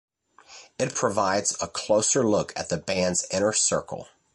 It provides a "closer look at the band's inner circle".